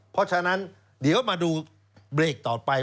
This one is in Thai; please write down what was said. เพราะฉะนั้นเดี๋ยวมาดูเบรกต่อไป